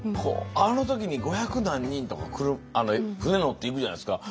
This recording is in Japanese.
あの時に五百何人とか来る船乗って行くじゃないですか。